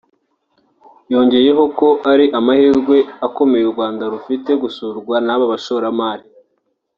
yongeyeho ko ari amahirwe akomeye u Rwanda rufite gusurwa n’aba bashoramari